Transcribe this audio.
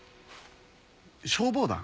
消防団？